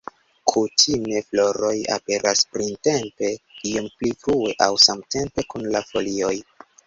Kutime floroj aperas printempe, iom pli frue aŭ samtempe kun la folioj.